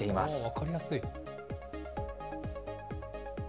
分かりやすい。